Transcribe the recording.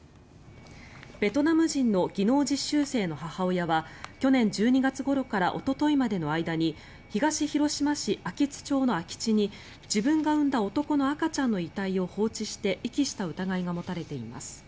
ベトナム人の技能実習生の母親は去年１２月ごろからおとといまでの間に東広島市安芸津町の空き地に自分が産んだ男の赤ちゃんの遺体を放置して遺棄した疑いが持たれています。